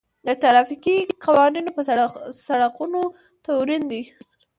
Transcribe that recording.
د ټرافيکي قوانينو په سرغړونه تورن دی.